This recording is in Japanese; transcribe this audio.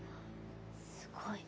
すごい。